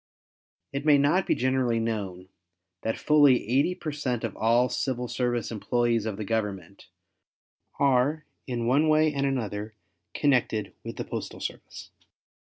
It may not be generally known that fully 80 per cent of all civil service employees of the Government are in one way and another connected with the postal service.